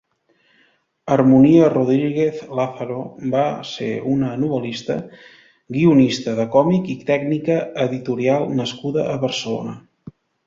Armonía Rodríguez Lázaro va ser una novel·lista, guionista de còmic i tècnica editorial nascuda a Barcelona.